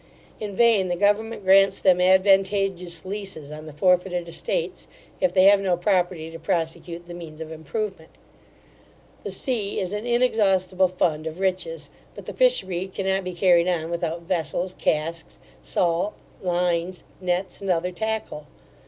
In vain the government grants them advantageous leases on the forfeited estates, if they have no property to prosecute the means of improvement The sea is an inexhaustible fund of riches; but the fishery cannot be carried on without vessels, casks, salt, lines, nets, and other tackle.